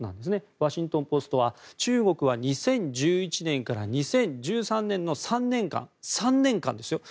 ワシントン・ポストは中国は２０１１年から２０１３年の３年間ですよ。